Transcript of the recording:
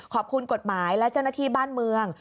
ขอบคุณกฎหมายและเจ้าหน้าที่บ้านเมือง